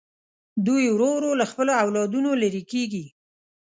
دوی ورو ورو له خپلو اولادونو لرې کېږي.